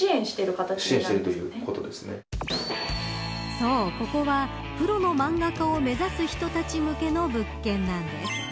そう、ここはプロの漫画家を目指す人たち向けの物件なんです。